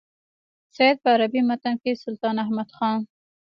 سید په عربي متن کې سلطان احمد خان.